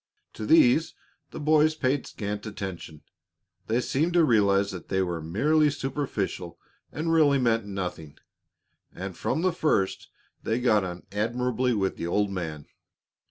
To these the boys paid scant attention. They seemed to realize that they were merely superficial and really meant nothing, and from the first they got on admirably with the old man.